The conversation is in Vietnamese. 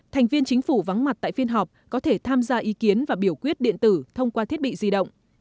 thành viên chính phủ vắng mặt tại phiên họp có thể tham gia ý kiến và biểu quyết điện tử thông qua thiết bị di động